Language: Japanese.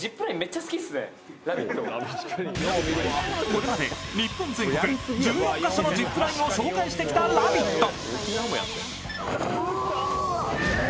これまで日本全国１４か所のジップラインを紹介してきた「ラヴィット！」。